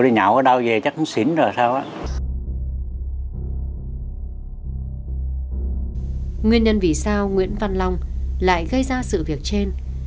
nguyên nhân vì sao nguyễn văn long lại gây ra sự việc trên